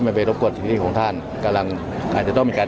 ตราบใดที่ตนยังเป็นนายกอยู่